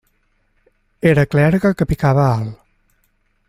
Era clergue que picava alt.